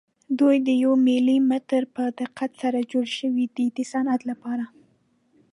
دوی د یو ملي متر په دقت سره جوړ شوي دي د صنعت لپاره.